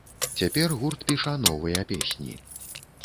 Цяпер гурт піша новыя песні.